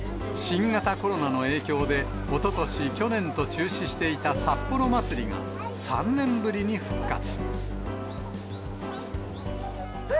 新型コロナの影響で、おととし、去年と中止していた札幌まつりが、３年ぶりに復活。